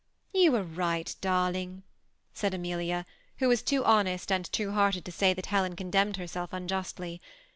^' You are right, darling," said Amelia, who was too honest and true hearted to say that Helen condemned herself unjustly.